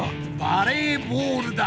バレーボールだ！